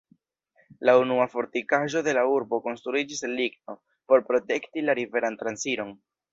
La unua fortikaĵo de la urbo konstruiĝis el ligno, por protekti la riveran transiron.